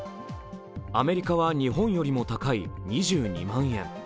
アメリカは日本よりも高い２２万円